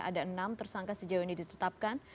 ada enam tersangka sejauh ini ditetapkan